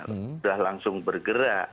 sudah langsung bergerak